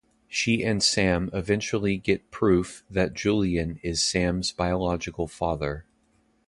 She and Sam eventually get proof that Julian is Sam's biological father.